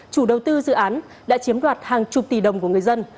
chủ đầu tư dự án đã chiếm đoạt hàng chục tỷ đồng của người dân